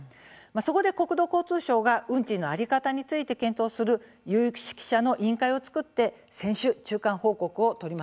そこで、国土交通省が運賃の在り方について検討する有識者の委員会を作って、先週中間報告を取りまとめたんです。